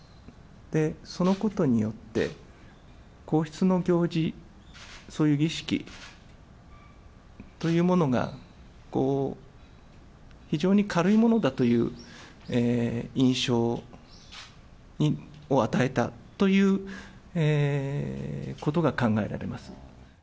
そのことによって、皇室の行事、そういう儀式というものが、非常に軽いものだという印象を与えたということが考えられます。